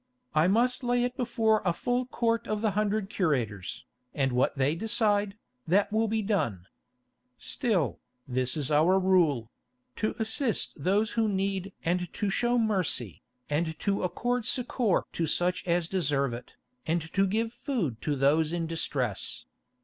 "I must lay it before a full Court of the hundred curators, and what they decide, that will be done. Still, this is our rule: to assist those who need and to show mercy, to accord succour to such as deserve it, and to give food to those in distress.